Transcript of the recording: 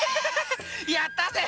やったぜ！